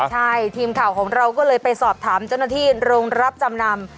ใช่ทีมข่าวของเราก็เลยไปสอบถามเจ้าหน้าที่โรงรับจำนำ